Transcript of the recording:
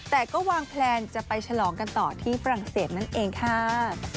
แต่ก็วางแพลนจะไปฉลองกันต่อที่ฝรั่งเศสนั่นเองค่ะ